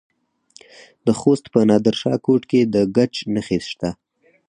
د خوست په نادر شاه کوټ کې د ګچ نښې شته.